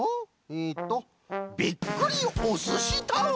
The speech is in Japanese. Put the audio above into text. えっと「びっくりおすしタウン」？